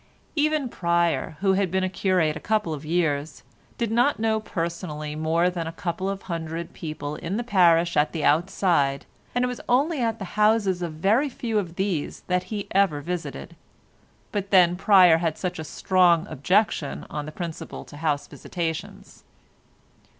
Even Pryer, who had been curate a couple of years, did not know personally more than a couple of hundred people in the parish at the outside, and it was only at the houses of very few of these that he ever visited, but then Pryer had such a strong objection on principle to house visitations.